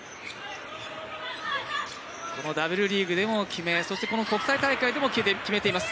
Ｗリーグでも決めそしてこの国際大会でも決めています。